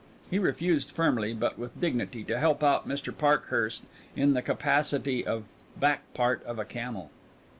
He refused firmly, but with dignity, to help out Mr. Parkhurst in the capacity of back part of a camel.